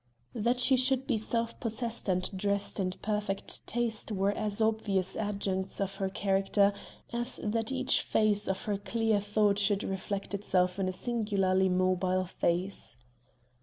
That she should be self possessed and dressed in perfect taste were as obvious adjuncts of her character as that each phase of her clear thought should reflect itself in a singularly mobile face.